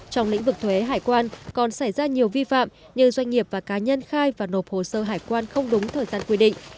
trong lĩnh vực thuế hải quan còn xảy ra nhiều vi phạm như doanh nghiệp và cá nhân khai và nộp hồ sơ hải quan không đúng thời gian quy định